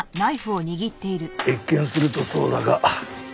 一見するとそうだが。